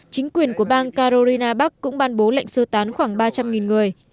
chính quyền của bang carolina bắc cũng ban bố lệnh sơ tán khoảng ba trăm linh người